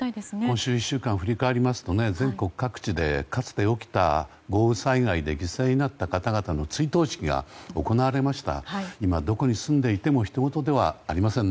今週１週間を振り返りますと、全国各地でかつて起きた豪雨災害で犠牲になった方々の追悼式が行われました。